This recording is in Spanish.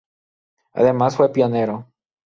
Además fue pionero.